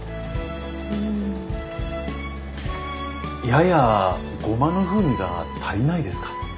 ややゴマの風味が足りないですか？